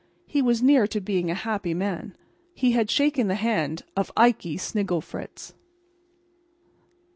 He was near to being a happy man. He had shaken the hand of Ikey Snigglefritz.